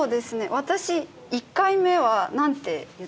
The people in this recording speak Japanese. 私１回目は何て言っていましたか？